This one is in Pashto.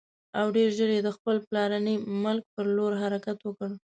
او ډېر ژر یې د خپل پلرني ملک پر لور حرکت وکړ.